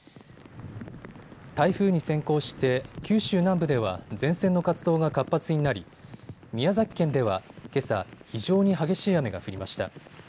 台風に先行して九州南部では前線の活動が活発になり宮崎県ではけさ、非常に激しい雨が降りました。